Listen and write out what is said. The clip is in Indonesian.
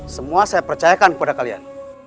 semua saya percayakan kepada kalian